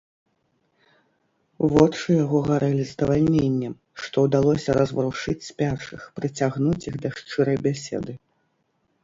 Вочы яго гарэлі здавальненнем, што ўдалося разварушыць спячых, прыцягнуць іх да шчырай бяседы.